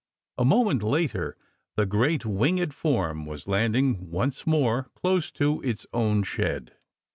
A moment later the great winged form was landing once more close to its own shed.